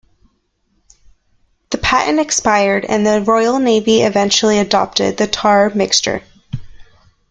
The patent expired, and the Royal Navy eventually adopted the tar mixture.